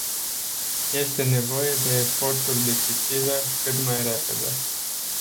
Este nevoie de eforturi decisive, cât mai repede.